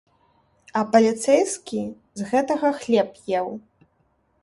А паліцэйскі з гэтага хлеб еў.